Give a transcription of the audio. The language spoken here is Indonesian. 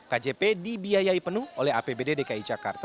kjp dibiayai penuh oleh apbd dki jakarta